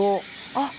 あっ！